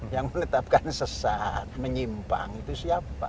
yang menetapkan sesat menyimpang itu siapa